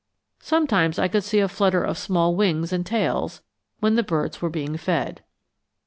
Sometimes I could see a flutter of small wings and tails, when the birds were being fed.